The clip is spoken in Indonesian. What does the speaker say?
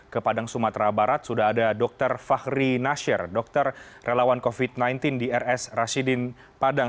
ke padang sumatera barat sudah ada dr fahri nasir dokter relawan covid sembilan belas di rs rashidin padang